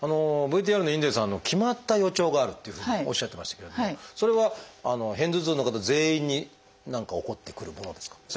ＶＴＲの因泥さん決まった予兆があるというふうにおっしゃってましたけれどそれは片頭痛の方全員に何か起こってくるものですか？